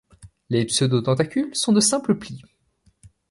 Les pseudo-tentacules sont de simples plis.